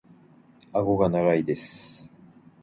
顎が長いです。